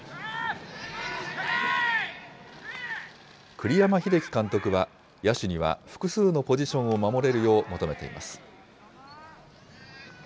栗山英樹監督は、野手には複数のポジションを守れるよう求めています。